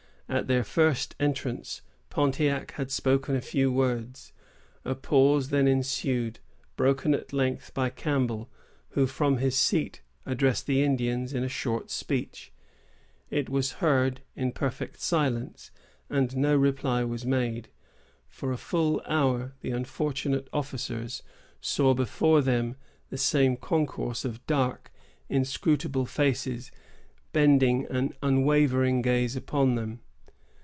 At their first entrance, Pontiac had spoken a few words. A pause then ensued, broken at length by Campbell, who from his seat addressed the Indians in a short speech. It was heard in perfect silence, and no reply was made. For a full hour, the unfortunate officers saw before them the same concourse of dark, inscrutable faces, bending an unwavering gaze upon them.